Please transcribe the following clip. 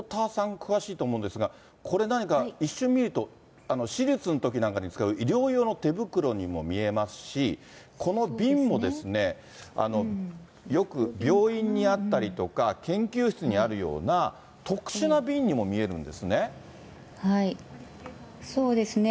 詳しいと思うんですが、これ、何か一瞬見ると、手術のときなんかに使う医療用の手袋にも見えますし、この瓶もですね、よく病院にあったりとか、研究室にあるような特殊な瓶にも見えるそうですね。